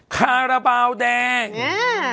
คาระบาวแดงอ้าอ